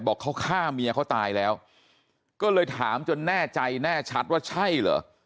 บอกเขาฆ่าเมียเขาตายแล้วก็เลยถามจนแน่ใจแน่ชัดว่าใช่เหรอ